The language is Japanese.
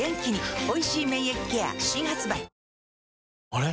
あれ？